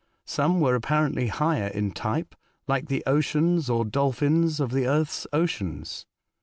Some were apparently higher in type, like the whales or dolphins of the earth's oceans.